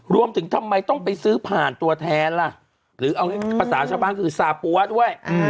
ทำไมต้องไปซื้อผ่านตัวแทนล่ะหรือเอาภาษาชาวบ้านคือซาปั๊วด้วย